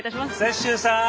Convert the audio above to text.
雪洲さん！